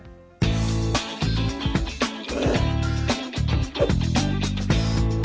berita terbaru dari sdi media